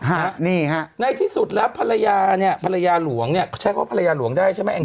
นี่ฮะในที่สุดแล้วภรรยาเนี่ยภรรยาหลวงเนี่ยเขาใช้คำว่าภรรยาหลวงได้ใช่ไหมแอง